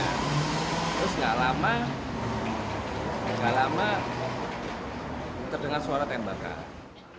terus nggak lama nggak lama terdengar suara tembakan